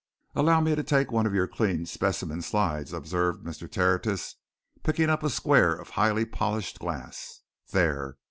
"Allow me to take one of your clean specimen slides," observed Mr. Tertius, picking up a square of highly polished glass. "There!